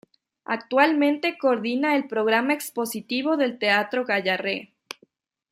Actualmente coordina el programa expositivo del Teatro Gayarre.